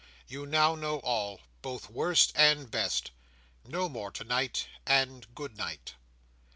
You now know all, both worst and best. No more tonight, and good night!"